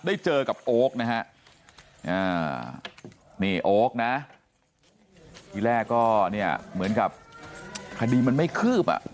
เจอกับโอ๊คนะฮะนี่โอ๊คนะที่แรกก็เนี่ยเหมือนกับคดีมันไม่คืบอ่ะ